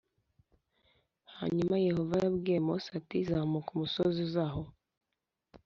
Hanyuma Yehova yabwiye Mose ati zamuka umusozi uze aho